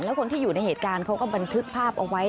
แล้วคนที่อยู่ในเหตุการณ์เขาก็บันทึกภาพเอาไว้